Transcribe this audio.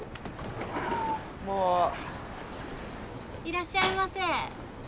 いらっしゃいませ！